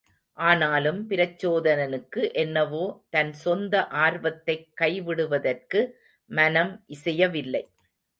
ஆனாலும் பிரச்சோதனனுக்கு என்னவோ தன் சொந்த ஆர்வத்தைக் கைவிடுவதற்கு மனம் இசையவில்லை.